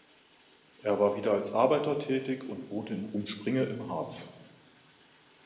Er war wieder als Arbeiter tätig und wohnte in Rhumspringe im Harz.